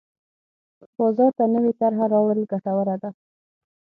بازار ته نوې طرحه راوړل ګټوره ده.